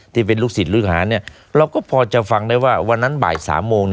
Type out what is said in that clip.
ที่เป็นลูกศิษย์ลูกหาเราก็พอจะฟังได้ว่าวันนั้นบ่าย๓โมง